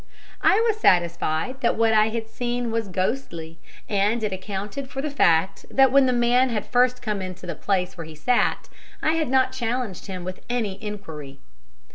"I was satisfied that what I had seen was ghostly, and it accounted for the fact that when the man had first come into the place where he sat I had not challenged him with any enquiry.